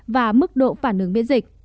và mức độ phản ứng biễn dịch